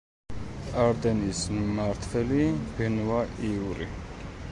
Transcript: არდენის მმართველია ბენუა იური.